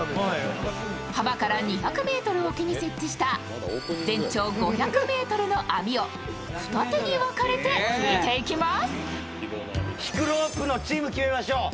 浜から２００ｍ沖に設置した全長５００ｍの網を二手に分かれて引いていきます。